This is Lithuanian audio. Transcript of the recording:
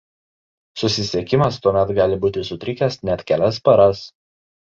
Susisiekimas tuomet gali būti sutrikęs net kelias paras.